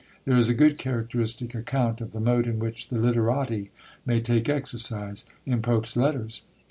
There is a good characteristic account of the mode in which the Literati may take exercise, in Pope's Letters.